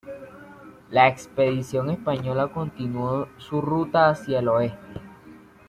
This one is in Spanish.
La expedición española continuó su ruta hacia el oeste.